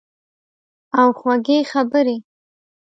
او خوږې خبرې